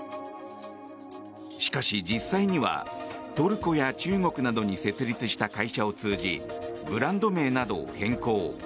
しかし、実際にはトルコや中国などに設立した会社を通じブランド名などを変更。